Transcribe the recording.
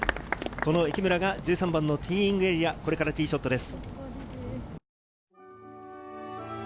池村が１３番のティーイングエリア、これからティーショットです。